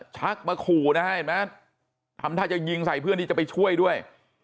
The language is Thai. ชักมาขู่นะฮะเห็นไหมทำท่าจะยิงใส่เพื่อที่จะไปช่วยด้วย